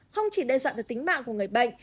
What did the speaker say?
không chỉ đe dọa tới tính mạng của người bệnh